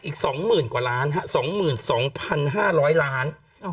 อีกสองหมื่นกว่าร้าน๒๒๕๐๐ล้าน